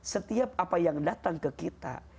setiap apa yang datang ke kita